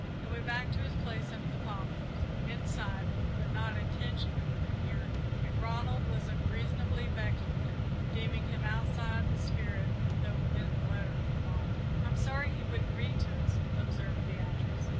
He went back to his place under the poplars, in sight, but not intentionally within hearing, and Ronald was unreasonably vexed with him, deeming him outside the spirit, though within the letter of the bond. "I'm sorry he wouldn't read to us," observed Beatrice.